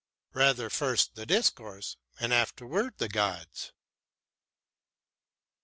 "Rather, first the discourse and afterward the gods."